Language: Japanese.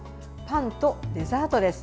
パンとデザートです。